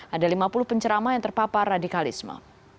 ada lima puluh pencerama yang terpapar radikalisme